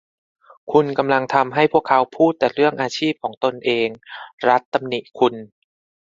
คุณกำลังทำให้พวกเขาพูดแต่เรื่องอาชีพของตนเอง รัธตำหนิคุณ